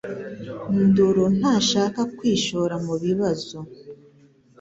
ndoro ntashaka kwishora mubibazo